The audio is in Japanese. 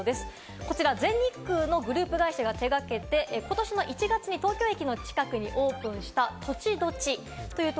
こちら、全日空のグループ会社が手がけて、ことし１月に東京駅近くにオープンしたＴＯＣＨＩ−ＤＯＣＨＩ。